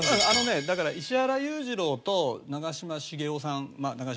あのねだから石原裕次郎と長嶋茂雄さんまあ